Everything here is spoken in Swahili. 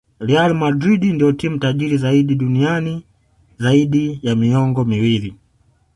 real madrid ndio timu tajiri zaidi duniani zaidi ya miongo miwili